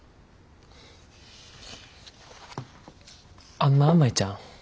あんな舞ちゃん。